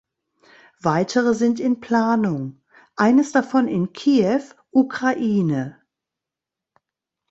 Weitere sind in Planung, eines davon in Kiew, Ukraine.